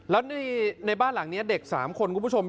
แล้วในบ้านหลังนี้เด็ก๓คนคุณผู้ชม